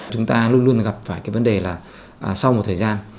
chúng ta luôn luôn gặp phải cái vấn đề là sau một thời gian